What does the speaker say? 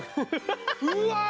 うわ！